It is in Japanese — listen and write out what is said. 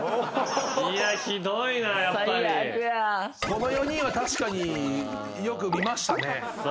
その４人は確かによく見ましたね。